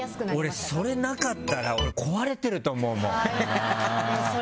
俺、それなかったら壊れてると思うもん。